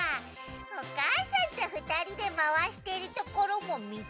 おかあさんとふたりでまわしているところもみたいな。